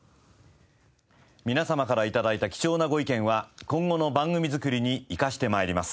皆様から頂いた貴重なご意見は今後の番組作りに生かして参ります。